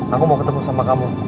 aku mau ketemu sama kamu